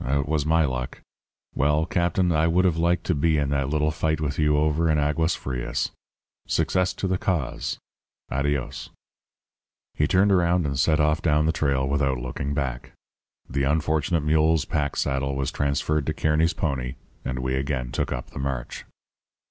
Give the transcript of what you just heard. It was my luck. Well, Captain, I would have liked to be in that little fight with you over in Aguas Frias. Success to the cause. Adios!' "He turned around and set off down the trail without looking back. The unfortunate mule's pack saddle was transferred to Kearny's pony, and we again took up the march.